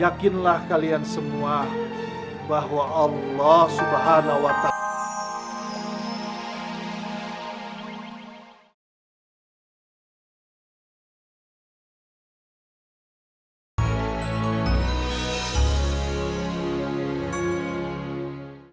yakinlah kalian semua bahwa allah subhanahu wa ta'ala